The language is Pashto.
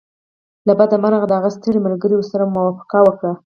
له بده مرغه د هغه ستړي ملګري ورسره موافقه وکړه